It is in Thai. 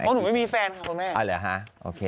หนูไม่มีแฟนค่ะคุณแม่เอาเหรอฮะโอเค